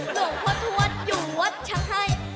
หลวงพ่อทวดหยุดฉันให้